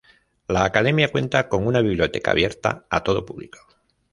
La Academia cuenta con una biblioteca abierta a todo público.